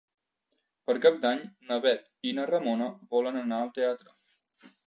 Per Cap d'Any na Bet i na Ramona volen anar al teatre.